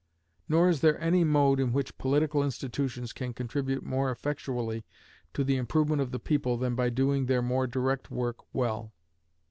Nor is there any mode in which political institutions can contribute more effectually to the improvement of the people than by doing their more direct work well.